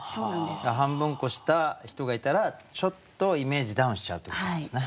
だから半分こした人がいたらちょっとイメージダウンしちゃうっていうことなんですね。